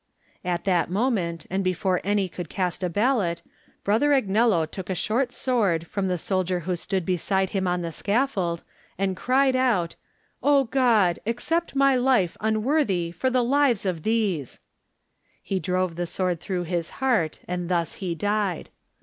At that moment, and before any could so Digitized by Google THE NINTH MAN cast a ballot, Brother Agnello took a short sword from the soldier who stood beside him on the scaffold, and cried out: 0 God! accept my life unworthy for the lives of these!'* He drove the sword through his heart and thus he died.